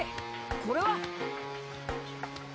これは。